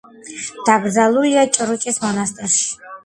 დაკრძალულია ჯრუჭის მონასტერში.